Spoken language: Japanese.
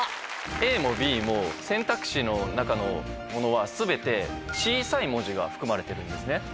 ＡもＢも選択肢の中のものは全て小さい文字が含まれてるんですね。